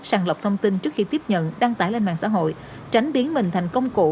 sàng lọc thông tin trước khi tiếp nhận đăng tải lên mạng xã hội tránh biến mình thành công cụ